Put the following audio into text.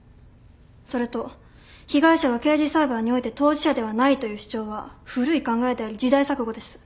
それと被害者が刑事裁判において当事者ではないという主張は古い考えであり時代錯誤です。